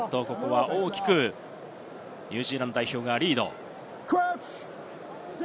大きくニュージーランド代表がリード。